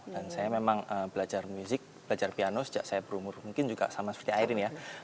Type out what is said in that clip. dan saya memang belajar music belajar piano sejak saya berumur mungkin juga sama seperti ayrin ya